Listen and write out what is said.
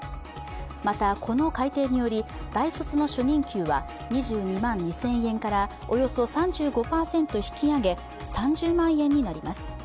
また、この改定により大卒の初任給は２２万２０００円からおよそ３５％引き上げ３０万円になります。